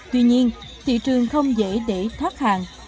tuy nhiên thị trường không dễ để thoát hàng